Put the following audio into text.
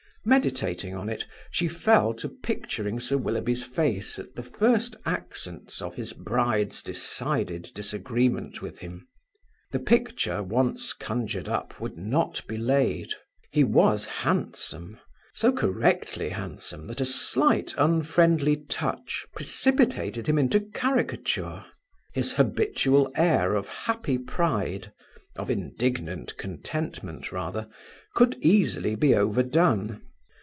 Meditating on it, she fell to picturing Sir Willoughby's face at the first accents of his bride's decided disagreement with him. The picture once conjured up would not be laid. He was handsome; so correctly handsome, that a slight unfriendly touch precipitated him into caricature. His habitual air of happy pride, of indignant contentment rather, could easily be overdone.